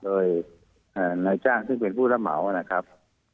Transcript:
โดยนายจ้างซึ่งเป็นผู้รับเหมานะครับ